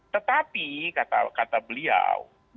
tetapi kata beliau